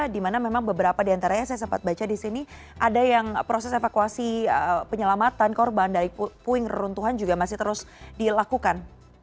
di mana memang beberapa di antaranya saya sempat baca di sini ada yang proses evakuasi penyelamatan korban dari puing reruntuhan juga masih terus dilakukan